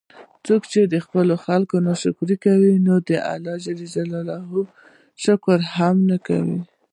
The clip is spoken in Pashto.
څوک چې د خلکو شکر نه کوي، نو ده د الله شکر هم ونکړو